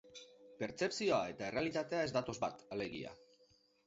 Pertzepzioa eta errealitatea ez datoz bat, alegia.